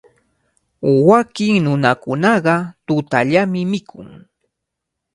Wakin nunakunaqa tutallami mikun.